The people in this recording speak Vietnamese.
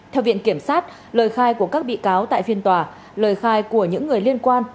theo viện kiểm sát lời khai của các bị cáo tại phiên tòa lời khai của những người liên quan